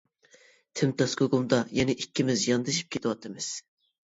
تىمتاس گۇگۇمدا يەنە ئىككىمىز ياندىشىپ كېتىۋاتىمىز.